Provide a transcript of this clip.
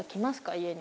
家に。